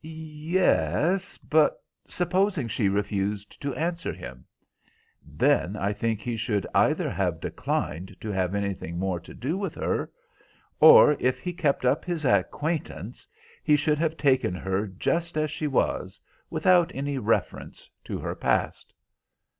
"Yes, but supposing she refused to answer him?" "Then, I think he should either have declined to have anything more to do with her, or, if he kept up his acquaintance, he should have taken her just as she was, without any reference to her past."